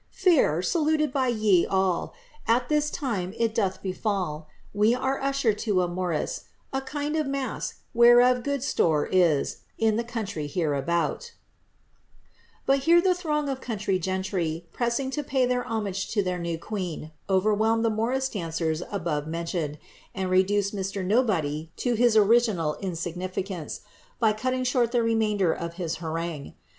Fair, saluted be jre all. At this time it doth befkll; We are usher to a morris, A kind of masque, whereof good store is, In the country hereabout" But here the throng of country gentry, pressing to pay their homage to their new queen, overwhelmed the morns dancers aboFe mention^, and reduced Mr. Nobody to his original insignificance, by cutting short the remainder of his harangue.